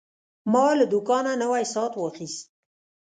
ما له دوکانه نوی ساعت واخیست.